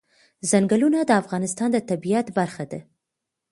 ځنګلونه د افغانستان د طبیعت برخه ده.